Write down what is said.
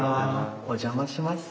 お邪魔します。